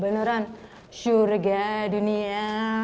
beneran surga dunia